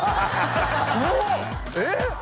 うおっえっ！？